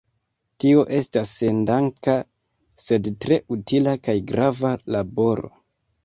Tio estas sendanka, sed tre utila kaj grava laboro.